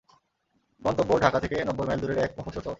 গন্তব্য ঢাকা থেকে নব্বই মাইল দূরের এক মফস্বল শহর।